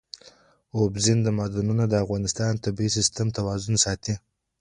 اوبزین معدنونه د افغانستان د طبعي سیسټم توازن ساتي.